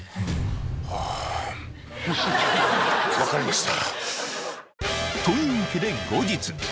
分かりました。